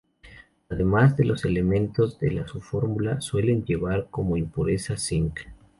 Además de los elementos de su fórmula, suele llevar como impureza cinc.